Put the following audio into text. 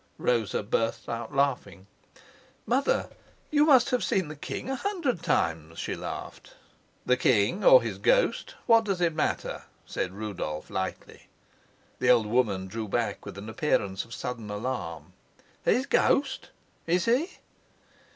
Rosa burst out laughing. "Mother, you must have seen the king a hundred times," she laughed. "The king, or his ghost what does it matter?" said Rudolf lightly. The old woman drew back with an appearance of sudden alarm. "His ghost? Is he?"